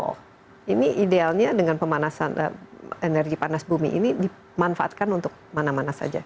oh ini idealnya dengan pemanasan energi panas bumi ini dimanfaatkan untuk mana mana saja